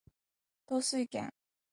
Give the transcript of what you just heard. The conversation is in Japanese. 統帥権